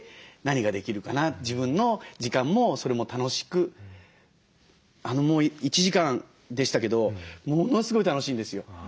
自分の時間もそれも楽しく１時間でしたけどものすごい楽しいんですよ。